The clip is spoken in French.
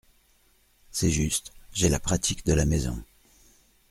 C’est juste, j’ai la pratique de la maison.